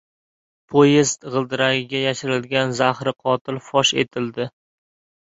Poyezd g‘ildiragiga yashirilgan zahri qotil fosh etildi